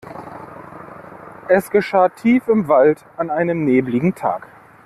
Es geschah tief im Wald an einem nebeligen Tag.